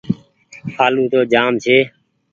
آلو تو جآم ڇي۔